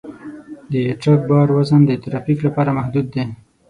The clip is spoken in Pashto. د ټرک بار وزن د ترافیک لپاره محدود دی.